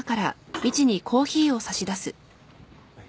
はい。